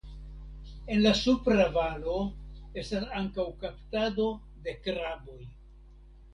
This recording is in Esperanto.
En la supra valo estas ankaŭ kaptado de kraboj.